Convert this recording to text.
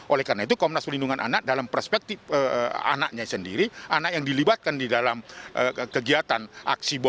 oleh karena itu komnas pelindungan anak dalam perspektif anaknya sendiri anak yang dilibatkan di dalam kegiatan aksi bom yang kemarin itu adalah di tempat tersebut